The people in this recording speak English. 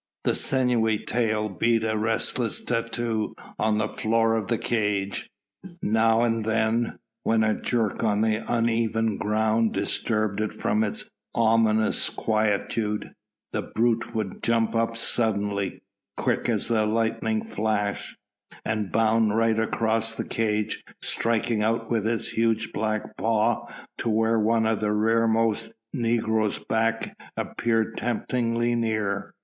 The sinewy tail beat a restless tattoo on the floor of the cage. Now and then when a jerk on the uneven ground disturbed it from its ominous quietude, the brute would jump up suddenly quick as the lightning flash and bound right across the cage, striking out with its huge black paw to where one of the rearmost negro's back appeared temptingly near.